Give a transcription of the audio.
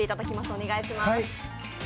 お願いします。